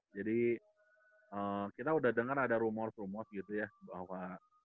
jadi kita udah dengar ada rumor rumor gitu ya bahwa